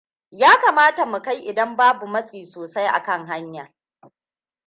Ya kamata mukai idan babu matsi sosai akan hanya.